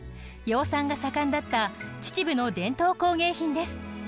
養蚕が盛んだった秩父の伝統工芸品です。